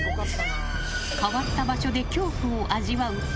変わった場所で恐怖を味わう